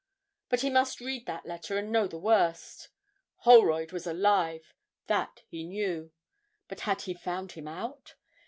But he must read that letter and know the worst. Holroyd was alive that he knew; but had he found him out?